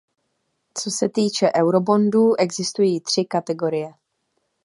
Co se týče eurobondů, existují tři kategorie.